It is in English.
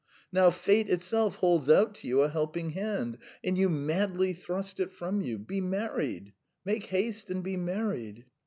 Now fate itself holds out to you a helping hand, and you madly thrust it from you. Be married, make haste and be married!"